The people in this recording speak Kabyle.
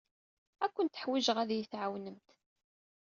Ad kent-ḥwijeɣ ad iyi-tɛawnemt.